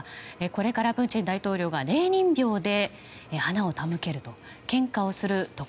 これからプーチン大統領がレーニン廟で花を手向けると。